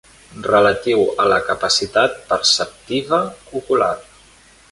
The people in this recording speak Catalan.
Relatiu a la capacitat perceptiva ocular.